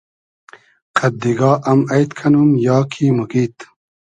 قئد دیگا ام اݷد کئنوم یا کی موگیید؟